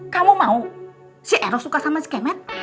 kamu mau si eros suka sama si kemet